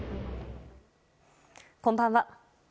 こんばんは。